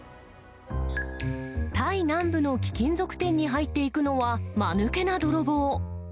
タイ南部の貴金属店に入っていくのは、まぬけな泥棒。